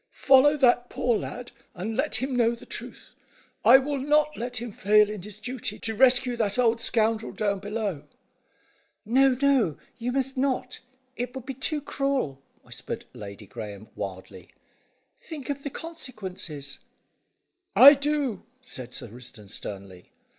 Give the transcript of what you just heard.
"Follow that poor lad, and let him know the truth. I will not let him fail in his duty, to rescue that old scoundrel down below." "No, no! You must not. It would be too cruel," whispered Lady Graeme wildly. "Think of the consequences." "I do," said Sir Risdon sternly.